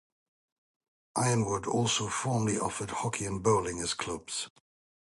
Ironwood also formerly offered Hockey and Bowling as clubs.